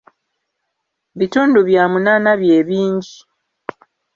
Bitundu bya munaana bye bingi!